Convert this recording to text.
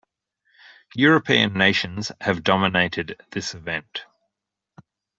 European nations have dominated this event.